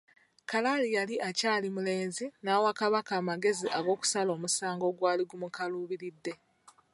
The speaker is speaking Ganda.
Kalali yali akyali mulenzi, n'awa Kabaka amagezi ag'okusala omusango ogwali gumukaluubiridde.